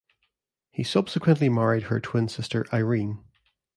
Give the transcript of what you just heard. He subsequently married her twin sister Irene.